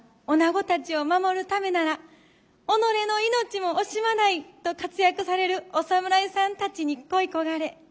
おなごたちを守るためなら己の命も惜しまないと活躍されるお侍さんたちに恋い焦がれ。